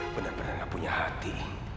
bener bener gak punya hati